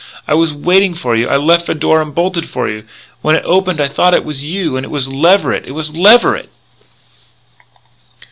I was waiting for you.... I left the door unbolted for you. When it opened I thought it was you. And it was Leverett! it was Leverett!